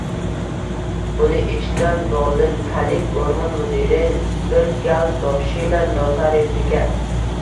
Buni eshitgan dolinkalik oʻrmon mudiri bir gal Dobshina notariusiga: